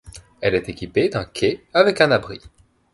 Elle est équipée d'un quai avec un abri.